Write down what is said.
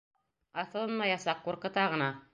Аҫылынмаясаҡ, ҡурҡыта ғына!